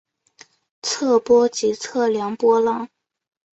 测波即测量波浪。